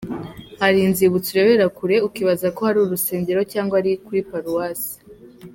Hari inzibutso urebera kure ukibaza ko hari urusengero cyangwa ari kuri Paruwasi.